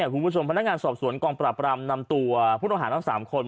คุณผู้ชมพนักงานสอบสวนกองปราบรามนำตัวผู้ต้องหาทั้ง๓คน